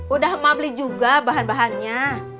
udah mak beli juga bahan bahannya